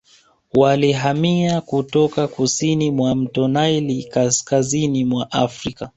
Walihamia kutoka kusini mwa mto Naili kaskazini mwa Afrika